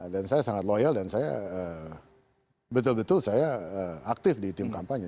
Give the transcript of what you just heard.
dan saya sangat loyal dan saya betul betul saya aktif di tim kampanye